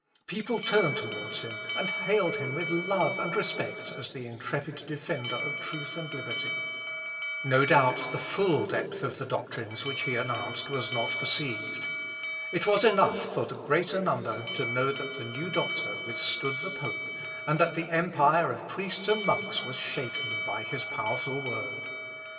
People turned towards him, and hailed him with love and respect as the intrepid defender of truth and liberty. No doubt the full depth of the doctrines which he announced was not perceived. It was enough for the greater number to know that the new doctor withstood the pope, and that the empire of priests and monks was shaken by his powerful word.